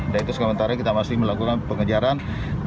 dan itu sementara kita masih melakukan pengejaran